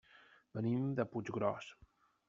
Venim de Puiggròs.